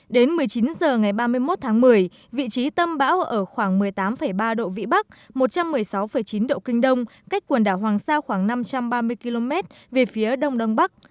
đến một mươi chín h ngày ba mươi một tháng một mươi vị trí tâm bão ở khoảng một mươi tám ba độ vĩ bắc một trăm một mươi sáu chín độ kinh đông cách quần đảo hoàng sa khoảng năm trăm ba mươi km về phía đông đông bắc